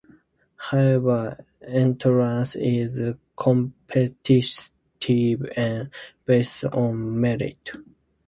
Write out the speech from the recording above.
However, entrance is competitive and based on merit.